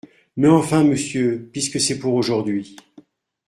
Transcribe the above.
Mais enfin, monsieur, puisque c’est pour aujourd’hui.